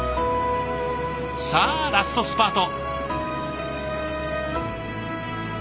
さあラストスパート。